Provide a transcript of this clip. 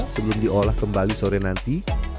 sebelum diolah kembali sore nanti